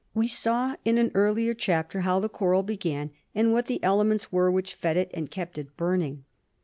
We saw in an earlier chapter how the quarrel began and what the elements were which fed it and kept it burning.